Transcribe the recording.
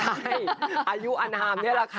ใช่อายุอนามนี่แหละค่ะ